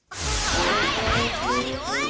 はいはい終わり終わり！